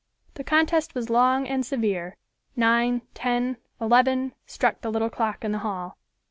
The contest was long and severe. Nine, ten, eleven, struck the little clock in the hall.